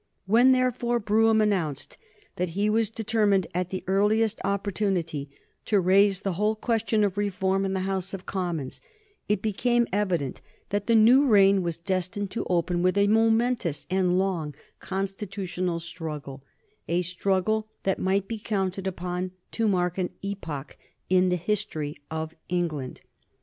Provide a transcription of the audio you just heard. When, therefore, Brougham announced that he was determined at the earliest opportunity to raise the whole question of reform in the House of Commons it became evident that the new reign was destined to open with a momentous and long constitutional struggle, a struggle that might be counted upon to mark an epoch in the history of England.